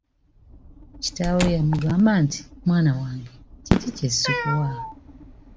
Kitaawe yamugamba nti, “Mwana wange, kiki kye sikuwa?”